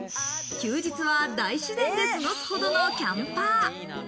休日は大自然で過ごすほどのキャンパー。